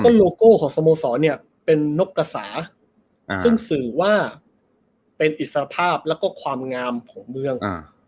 โลโก้ของสโมสรเนี่ยเป็นนกกระสาซึ่งสื่อว่าเป็นอิสรภาพแล้วก็ความงามของเมือง